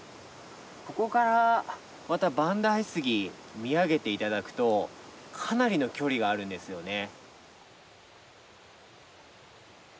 ここからまた万代杉見上げて頂くとかなりの距離があるんですよね。